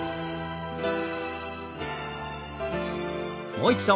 もう一度。